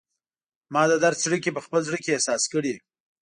ما د درد څړیکې په خپل زړه کې احساس کړي